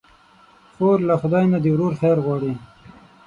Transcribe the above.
خور له خدای نه د ورور خیر غواړي.